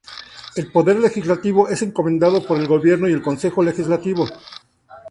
El poder legislativo es encomendado por el gobierno y el Consejo Legislativo.